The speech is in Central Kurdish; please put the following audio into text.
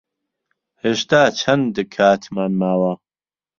هێشتا چەند کاتمان ماوە؟